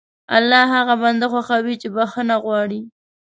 الله هغه بنده خوښوي چې بښنه غواړي.